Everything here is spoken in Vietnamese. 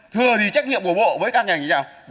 thừa thì trách nhiệm của bộ với các ngành như thế nào